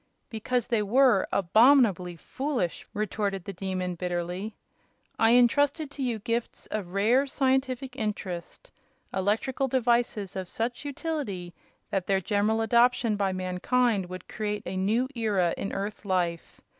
"Because they were, abominably foolish!" retorted the Demon, bitterly. "I entrusted to you gifts of rare scientific interest electrical devices of such utility that their general adoption by mankind would create a new era in earth life.